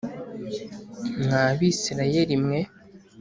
mwa Bisirayeli mwe